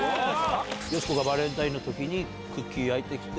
よしこがバレンタインのときにクッキー焼いてきて。